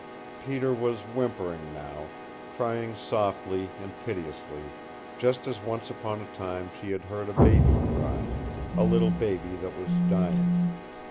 Peter was whimpering now, crying softly and piteously, just as once upon a time she had heard a baby cry a little baby that was dying.